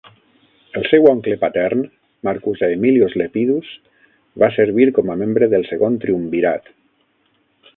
El seu oncle patern, Marcus Aemilius Lepidus, va servir com a membre del Segon Triumvirat.